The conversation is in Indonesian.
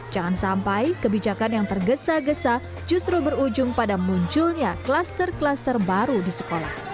jangan sampai kebijakan yang tergesa gesa justru berujung pada munculnya kluster kluster baru di sekolah